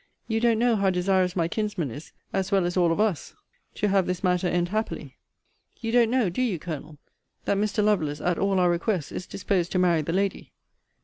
You don't know how desirous my kinsman is, as well as all of us, to have this matter end happily. You don't know, do you, Colonel, that Mr. Lovelace, at all our requests, is disposed to marry the lady?